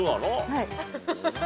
はい。